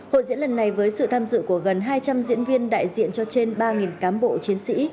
hội diễn lần này với sự tham dự của gần hai trăm linh diễn viên đại diện cho trên ba cám bộ chiến sĩ